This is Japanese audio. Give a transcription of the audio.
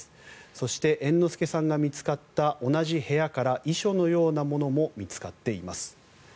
そして、猿之助さんが見つかった同じ部屋から遺書のようなものも見つかっています。